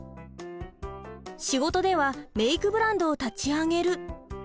仕事ではメイクブランドを立ち上げると。